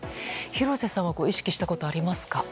廣瀬さんは意識したことありますか？